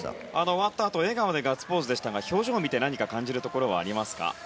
終わったあと笑顔でガッツポーズでしたが表情を見て何か感じるところはありますか。